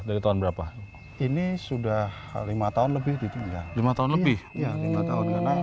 dari tahun berapa ini sudah lima tahun lebih lima tahun lebih lima tahun